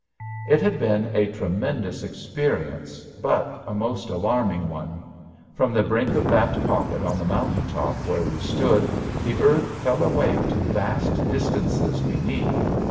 It had been a tremendous experience, but a most alarming one. From the brink of that pocket on the mountain top where we stood the earth fell away to vast distances beneath.